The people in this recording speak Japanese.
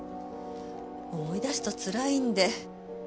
思い出すとつらいんで。